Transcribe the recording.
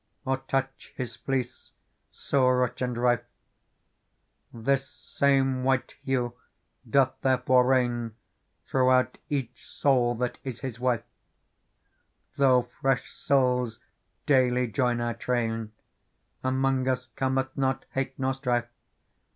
Or touch His fleecfiL so rich and rife> This same wJutfiJme doth therefore reign ThrnjTgroiii: p^aoh oniil ^hat isTTiR wife. Though fresh souls daily join our"Frain, Among us coraeth nor hate nor strife.